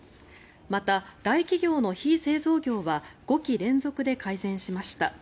また、大企業の非製造業は５期連続で改善しました。